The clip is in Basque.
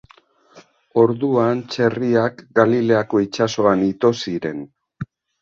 Orduan, txerriak Galileako itsasoan ito ziren.